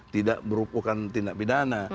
tidak berupukan tindak pidana